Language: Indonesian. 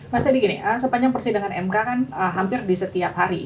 mas adi gini sepanjang persidangan mk kan hampir di setiap hari